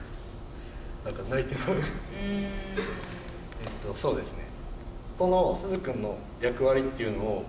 えっとそうですね